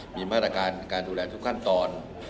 มีมาตรการการดูแลทุกขั้นตอน